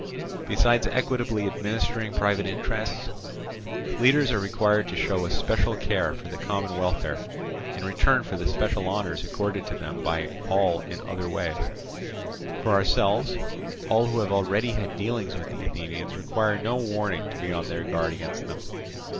Besides equitably administering private interests, leaders are required to show a special care for the common welfare in return for the special honours accorded to them by all in other ways. For ourselves, all who have already had dealings with the Athenians require no warning to be on their guard against them.